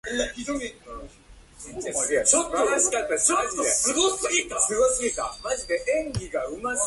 都合よく、亭主が宿の小さな正面階段の上に立っており、ランタンをかかげて彼のほうを照らしていた。